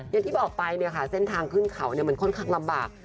อย่างที่บอกไปเส้นทางขึ้นเขามันค่อนข้างลำบาก